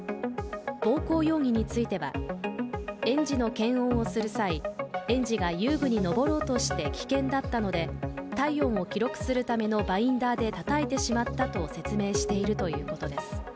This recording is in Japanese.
暴行容疑については園児の検温をする際園児が遊具に登ろうとして危険だったので体温を記録するためのバインダーでたたいてしまったと説明しているということです。